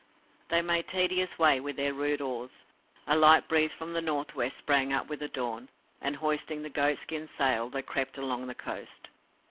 They made tedious way with their rude oars; a light breeze from the north west sprang up with the dawn, and, hoisting the goat skin sail, they crept along the coast.